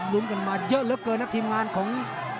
รุ้นกันมาเยอะเหลือเกินครับทีมงานของ